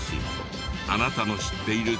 あなたの知っている珍百景